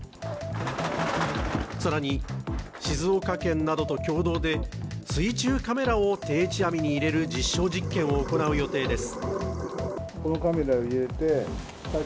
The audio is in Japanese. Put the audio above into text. さらに、静岡県などと共同で水中カメラを定置網に入れる実証実験を行う予定です